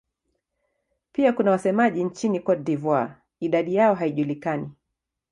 Pia kuna wasemaji nchini Cote d'Ivoire; idadi yao haijulikani.